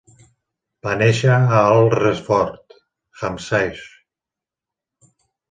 Va néixer a Alresford, Hampshire.